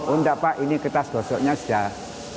enggak pak ini kertas gosoknya sudah